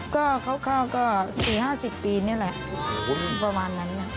ก็คร่าวก็สี่ห้าสิบปีเนี่ยแหละประมาณนั้นเนี่ย